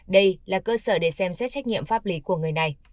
đây là cơ sở để xem xét trách nhiệm pháp lý của người này